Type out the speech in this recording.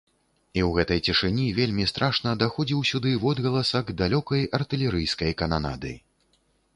І ў гэтай цішыні вельмі страшна даходзіў сюды водгаласак далёкай артылерыйскай кананады.